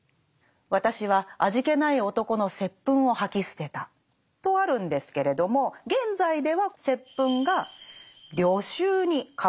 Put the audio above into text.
「私は味気ない男の接吻を吐き捨てた」とあるんですけれども現在では「接吻」が「旅愁」に変わっています。